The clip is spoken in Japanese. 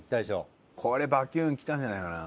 これバキューンきたんじゃないかな？